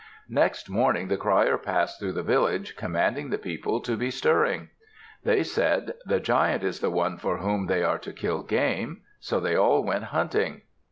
Next morning, the crier passed through the village, commanding the people to be stirring. They said, "The Giant is the one for whom they are to kill game." So they all went hunting.